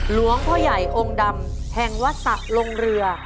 หลวงพ่อใหญ่องค์ดำแห่งวัดสะลงเรือ